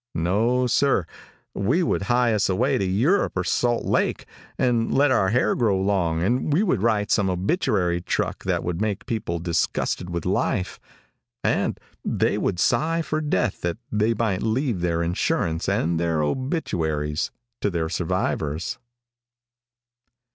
No, sir, he would hie us away to Europe or Salt Lake, and let our hair grow long, and we would write some obituary truck that would make people disgusted with life, and they would sigh for death that they might leave their insurance and their obituaries to their survivors.